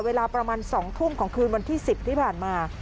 เวลาประมาณ๒ทุ่มของคืนวันที่๑๐ที่ผ่านมา